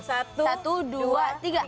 satu dua tiga